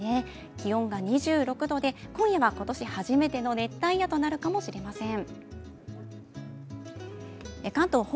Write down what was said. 気温が２６度で今夜は今年初めての熱帯夜となるかもしれません。